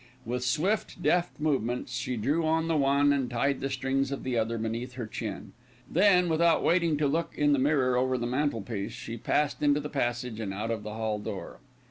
With swift, deft movements she drew on the one, and tied the strings of the other beneath her chin. Then, without waiting to look in the mirror over the mantelpiece, she passed into the passage and out of the hall door.